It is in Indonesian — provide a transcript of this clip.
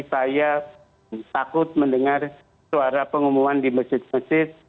saya takut mendengar suara pengumuman di besit besit